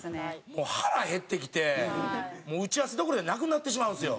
もう腹減ってきて打ち合わせどころやなくなってしまうんですよ。